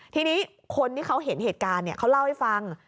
ทีนี้คนที่เขาเห็นเหตุการณ์เขาเล่าให้ฟัง